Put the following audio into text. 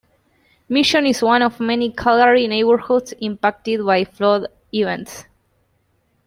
Mission is one of many Calgary neighbourhoods impacted by flood events.